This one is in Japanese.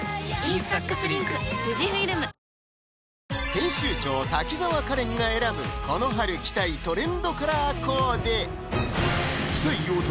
編集長・滝沢カレンが選ぶこの春着たいトレンドカラーコーデ